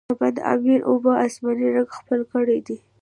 د بند امیر اوبو، آسماني رنګ خپل کړی دی.